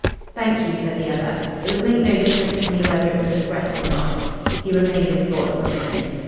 "Thank you," said the other. "It would make no difference to me whether it was a threat or not." He remained in thought for a moment.